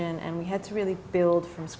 dan kami harus membangun dari awal